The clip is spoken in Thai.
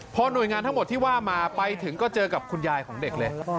พอหน่วยงานทั้งหมดที่ว่ามาไปถึงก็เจอกับคุณยายของเด็กเลย